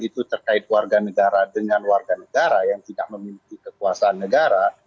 itu terkait warga negara dengan warga negara yang tidak memiliki kekuasaan negara